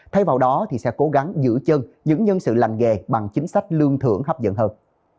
thay vào đó thì sẽ cố gắng giữ chân những nhân sự lành nghề bằng chính sách lương thưởng hấp dẫn hơn